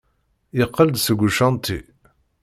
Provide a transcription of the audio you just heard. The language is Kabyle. Yeqqel-d seg ucanṭi.